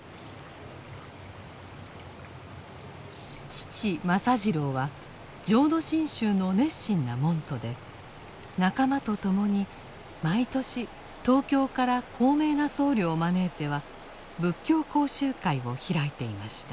父政次郎は浄土真宗の熱心な門徒で仲間と共に毎年東京から高名な僧侶を招いては仏教講習会を開いていました。